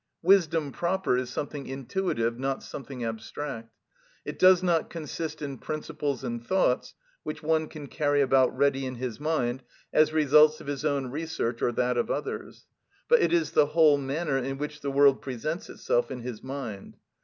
Wisdom proper is something intuitive, not something abstract. It does not consist in principles and thoughts, which one can carry about ready in his mind, as results of his own research or that of others; but it is the whole manner in which the world presents itself in his mind.